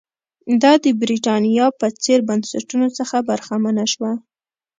دا د برېټانیا په څېر بنسټونو څخه برخمنه شوه.